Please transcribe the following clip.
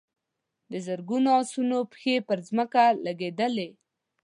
د زرګونو آسونو پښې پر ځمکه لګېدلې.